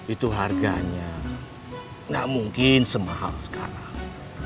itu harganya nggak mungkin semahal sekarang